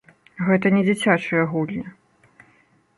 Гэта не дзіцячыя гульні.